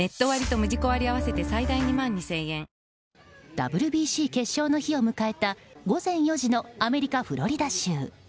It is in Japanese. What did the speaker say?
ＷＢＣ決勝の日を迎えた午前４時のアメリカ・フロリダ州。